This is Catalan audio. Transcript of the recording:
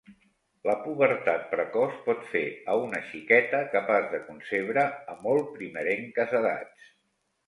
La pubertat precoç pot fer a una xiqueta capaç de concebre a molt primerenques edats.